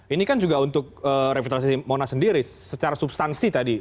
ini kan juga untuk revitalisasi monas sendiri secara substansi tadi